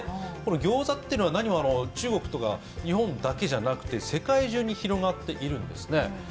ギョウザっていうのは何も中国や日本だけではなくて世界中に広まっているんですね。